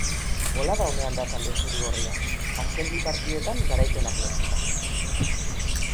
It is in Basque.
Bolada onean da talde zuri-gorria, azken bi partidetan garaipenak lortuta.